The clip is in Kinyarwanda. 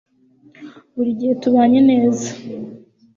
buri gihe tubanye neza